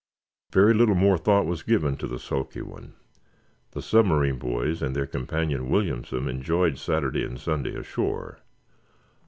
Very little more thought was given to the sulky one. The submarine boys and their companion, Williamson, enjoyed Saturday and Sunday ashore.